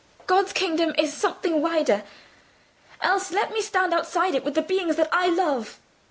"God's kingdom is something wider—else, let me stand outside it with the beings that I love."